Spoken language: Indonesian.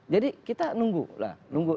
jadi kita nunggu